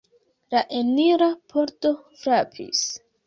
La enira pordo frapis.